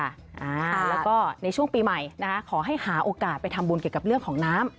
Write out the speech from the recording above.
แล้วก็ในช่วงปีใหม่นะคะขอให้หาโอกาสไปทำบุญเกี่ยวกับเรื่องของน้ำ